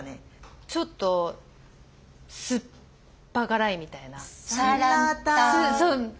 ちょっと酸っぱ辛いみたいな。